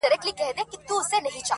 مُلا یې بولي تشي خبري!.